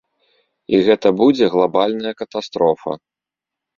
І гэта будзе глабальная катастрофа.